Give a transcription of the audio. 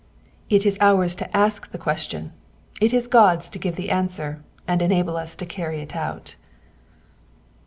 It is ours to ask the question, it is God^s to give the answer and enable us to carry it out.